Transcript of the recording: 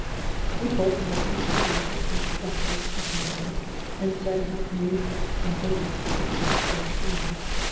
We both listened to the music with breathless at tention, and said how beautiful and delightful each selection was.